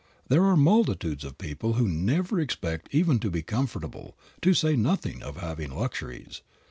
There are multitudes of people who never expect even to be comfortable, to say nothing of having luxuries.